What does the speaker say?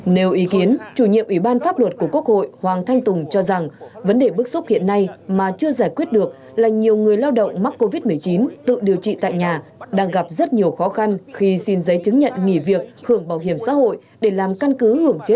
nếu ý kiến chủ nhiệm ủy ban pháp luật của quốc hội hoàng thanh tùng cho rằng vấn đề bức xúc hiện nay mà chưa giải quyết được là nhiều người lao động mắc covid một mươi chín tự điều trị tại nhà đang gặp rất nhiều khó khăn khi xin giấy chứng nhận nghỉ việc hưởng bảo hiểm xã hội để làm căn cứ